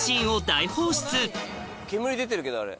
煙出てるけどあれ。